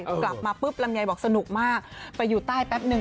กลับมาปุ๊บลำไยบอกสนุกมากไปอยู่ใต้แป๊บนึง